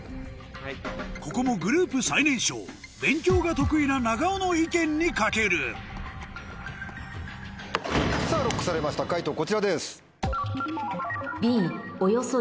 ここもグループ最年少勉強が得意な長尾の意見に懸けるさぁＬＯＣＫされました解答こちらです。